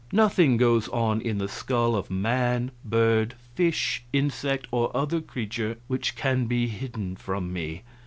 Nothing goes on in the skull of man, bird, fish, insect, or other creature which can be hidden from me.